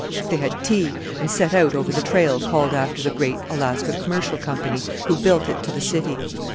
They had tea, and set out over the trail called after the great Alaska Commercial Company, who built it to the city.